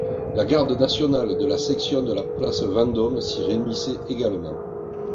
La garde nationale de la section de la place Vendôme s'y réunissait également.